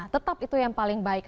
tetap itu yang paling baik